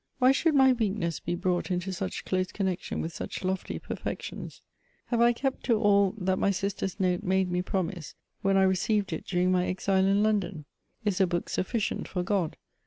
Why should my weakness be brought into such close connection with such lofty perfections? Have I kept to all that my sister's note made me promise, when I recdved it during my exile in London? Is « book suffieient for Gk)d?